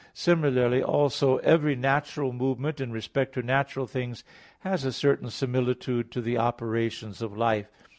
Similarly also every natural movement in respect to natural things has a certain similitude to the operations of life.